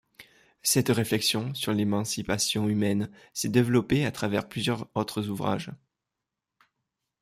Cette réflexion sur l'émancipation humaine s'est développée à travers plusieurs autres ouvrages.